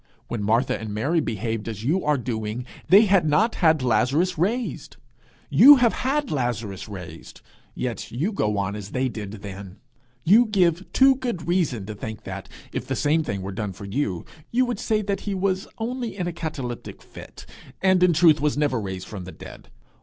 When Martha and Mary behaved as you are doing, they had not had Lazarus raised; you have had Lazarus raised, yet you go on as they did then! 'You give too good reason to think that, if the same thing were done for you, you would say he was only in a cataleptic fit, and in truth was never raised from the dead.